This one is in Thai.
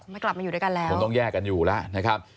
ไม่กลับมาอยู่ด้วยกันแล้วคงต้องแยกกันอยู่แล้วนะครับ